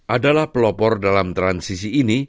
adalah pelopor dalam transisi ini